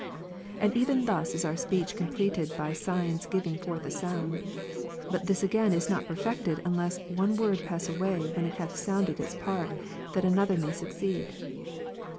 And even thus is our speech completed by signal giving forth a sound : but this again is not perfected unless! one word pass away when it hath sounded its \)nxi, that! another may succeed.